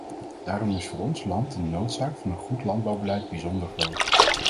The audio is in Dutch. Daarom is voor ons land de noodzaak van een goed landbouwbeleid bijzonder groot.